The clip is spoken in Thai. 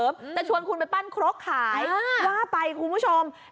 จะชวนคุณไปปั้นครกขายว่าไปคุณผู้ชม